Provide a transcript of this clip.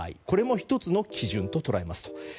これも１つの基準と捉えますと。